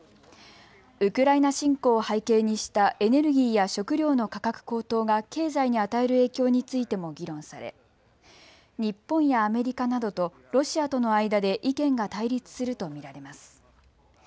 ウクライナ侵攻を背景にしたエネルギーや食料の価格高騰が経済に与える影響についても議論され日本やアメリカなどとロシアとの間で意見が対立すると見られます。